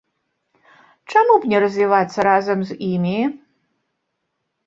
Чаму б не развівацца разам з імі?